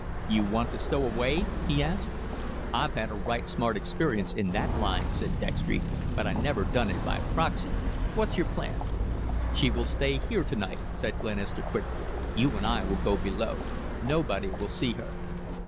"You want to stowaway?" he asked. "I've had a right smart experience in that line," said Dextry, "but I never done it by proxy. What's your plan?" "She will stay here to night," said Glenister quickly. "You and I will go below. Nobody will see her."